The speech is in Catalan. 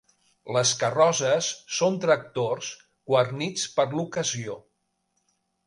Les carrosses són tractors guarnits per l'ocasió.